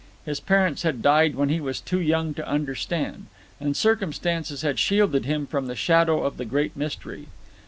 His parents had died when he was too young to understand; and circumstances had shielded him from the shadow of the great mystery.